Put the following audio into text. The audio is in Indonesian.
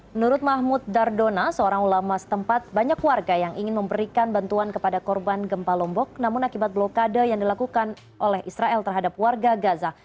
menurut mahmud dardona seorang ulama setempat banyak warga yang ingin memberikan bantuan kepada korban gempa lombok namun akibat blokade yang dilakukan oleh israel terhadap warga gaza